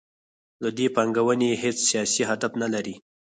له دې پانګونې یې هیڅ سیاسي هدف نلري.